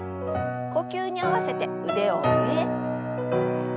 呼吸に合わせて腕を上へ。